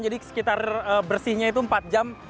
jadi sekitar bersihnya itu empat jam